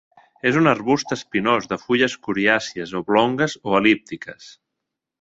És un arbust espinós de fulles coriàcies oblongues o el·líptiques.